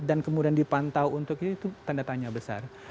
dan kemudian dipantau untuk itu itu tanda tanya besar